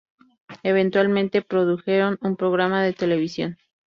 Eventualmente produjeron un programa de televisión.